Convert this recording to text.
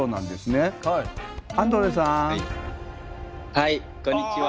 はいこんにちは。